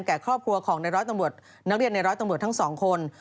ที่แก่ครอบครัวของหน้าร้อยตำรวจทั้งสองคน